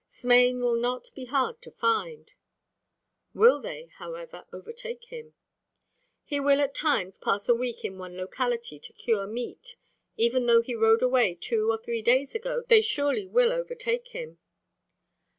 Smain will not be hard to find " "Will they, however, overtake him?" "He will at times pass a week in one locality to cure meat. Even though he rode away two or three days ago they surely will overtake him."